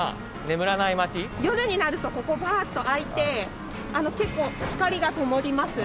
夜になるとここバーッと開いて結構光がともります。